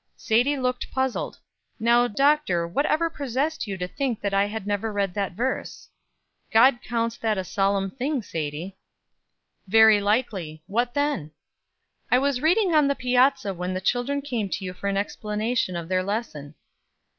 Sadie looked puzzled. "Now, Doctor, what ever possessed you to think that I had never read that verse?" "God counts that a solemn thing, Sadie." "Very likely; what then?" "I was reading on the piazza when the children came to you for an explanation of their lesson."